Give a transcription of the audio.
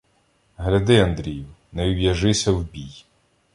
— Гляди, Андрію, не ув'яжися в бій.